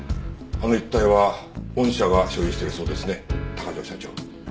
あの一帯は御社が所有しているそうですね高城社長。